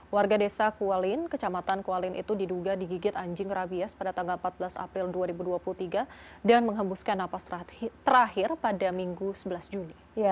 warga desa kualin kecamatan kualin itu diduga digigit anjing rabies pada tanggal empat belas april dua ribu dua puluh tiga dan menghembuskan napas terakhir pada minggu sebelas juni